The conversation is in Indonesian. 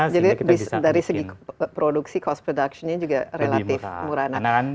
jadi dari segi produksi cost productionnya juga relatif murahan